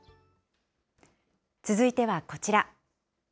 続いてはこちら。